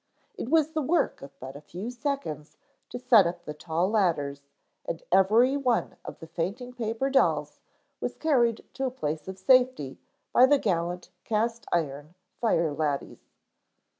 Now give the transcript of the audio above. It was the work of but a few seconds to set up the tall ladders, and every one of the fainting paper dolls was carried to a place of safety by the gallant cast iron fire laddies.